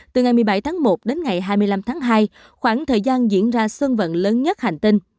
từ ngày một mươi bảy tháng một đến ngày hai mươi năm tháng hai khoảng thời gian diễn ra sân vận lớn nhất hành tinh